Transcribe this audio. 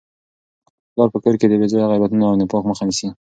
پلار په کور کي د بې ځایه غیبتونو او نفاق مخه نیسي.